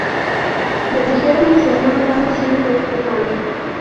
Le dijeron: Señor, danos siempre este pan.